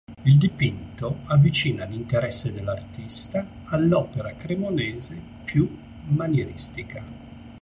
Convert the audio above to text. Il dipinto avvicina l'interesse dell'artista all'opera cremonese più manieristica.